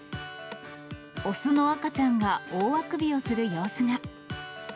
雄の赤ちゃんが大あくびをする様子が。